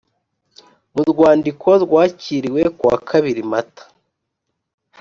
mu rwandiko rwakiriwe kuwa kabiri Mata